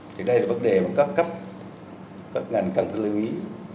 thì đây là vấn đề mà các ngành cần lưu ý